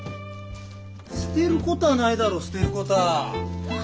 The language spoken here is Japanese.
捨てることはないだろ捨てることは。